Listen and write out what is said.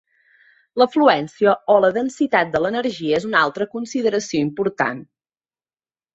La fluència o la densitat de l'energia és una altra consideració important.